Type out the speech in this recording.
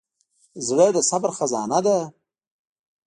زړه د صبر خزانه ده.